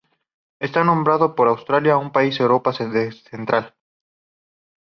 Está nombrado por Austria, un país de Europa central.